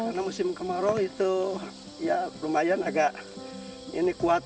karena musim kemarau itu ya lumayan agak ini kuat